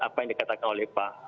apa yang dikatakan oleh pak